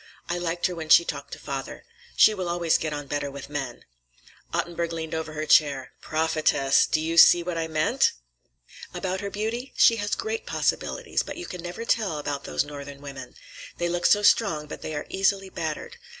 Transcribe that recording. I liked her when she talked to father. She will always get on better with men." Ottenburg leaned over her chair. "Prophetess! Do you see what I meant?" "About her beauty? She has great possibilities, but you can never tell about those Northern women. They look so strong, but they are easily battered.